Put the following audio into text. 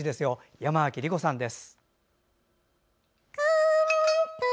山脇りこさんです。